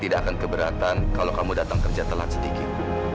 tidak akan keberatan kalau kamu datang kerja telat sedikit